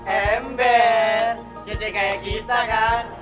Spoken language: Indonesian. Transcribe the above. ember jadi kayak kita kan